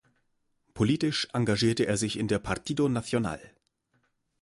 Politisch engagierte er sich in der Partido Nacional.